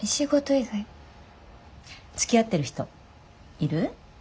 つきあってる人いる？